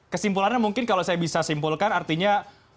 kesimpulannya mungkin kalau saya bisa simpulkan artinya